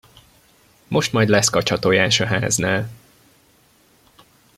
Most majd lesz kacsatojás a háznál.